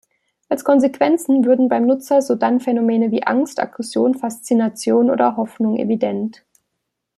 Als Konsequenzen würden beim Nutzer sodann Phänomene wie Angst, Aggression, Faszination oder Hoffnung evident.